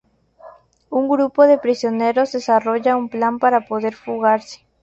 Un grupo de prisioneros desarrolla un plan para poder fugarse.